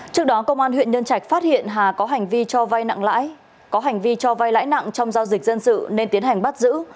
trước đó công an huyện nhân trạch phát hiện hà có hành vi cho vay lãi nặng trong giao dịch dân sự nên tiến hành bắt giữ